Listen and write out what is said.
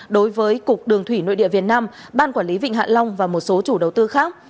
đối với cục đường thủy nội địa việt nam ban quản lý vịnh hạ long và một số chủ đầu tư khác